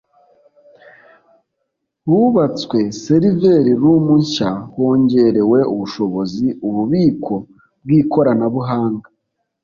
Hubatswe server room nshya hongerewe ubushobozi ububiko bw ikoranabuhanga